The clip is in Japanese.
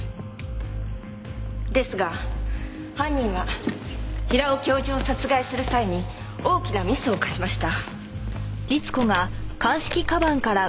ですが犯人は平尾教授を殺害する際に大きなミスを犯しました。